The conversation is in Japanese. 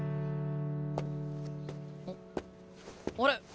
あっあれ？